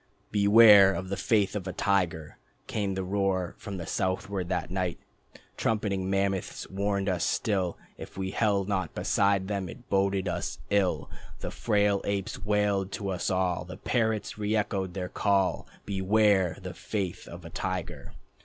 "Beware of the faith of a tiger," Came the roar from the southward that night. Trumpeting mammoths warning us still If we held not beside them it boded us ill. The frail apes wailed to us all, The parrots reëchoed the call: "Beware of the faith of a tiger."